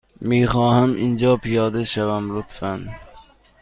می خواهم اینجا پیاده شوم، لطفا.